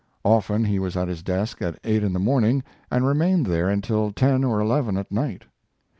Often he was at his desk at eight in the morning, and remained there until ten or eleven at night.